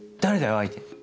相手。